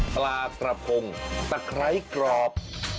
ปลากระพงตะไคร้กรอบ